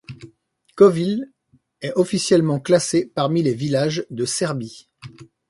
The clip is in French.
Kovilj est officiellement classé parmi les villages de Serbie.